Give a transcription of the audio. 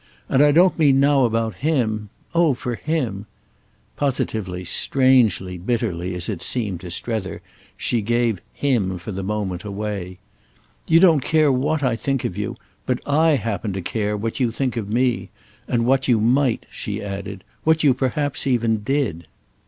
And I don't mean now about him. Oh for him—!" Positively, strangely, bitterly, as it seemed to Strether, she gave "him," for the moment, away. "You don't care what I think of you; but I happen to care what you think of me. And what you might," she added. "What you perhaps even did."